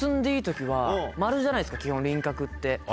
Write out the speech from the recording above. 丸じゃないですか基本輪郭って。